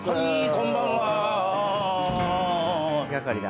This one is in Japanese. こんばんは。